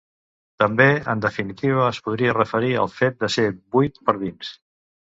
També, en definitiva, es podria referir, al fet de ser buit per dins.